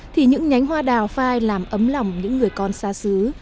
thì những nhánh hoa đào phai làm ấm lòng những người con xa xứ